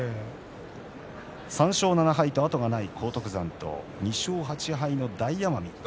３勝７敗で後がない荒篤山と２勝８敗の大奄美。